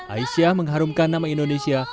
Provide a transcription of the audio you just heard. aisyah mengharumkan nama indonesia